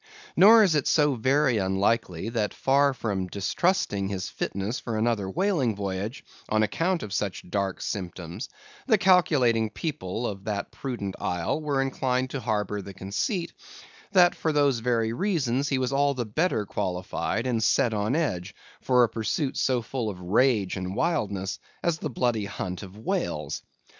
Nor is it so very unlikely, that far from distrusting his fitness for another whaling voyage, on account of such dark symptoms, the calculating people of that prudent isle were inclined to harbor the conceit, that for those very reasons he was all the better qualified and set on edge, for a pursuit so full of rage and wildness as the bloody hunt of whales.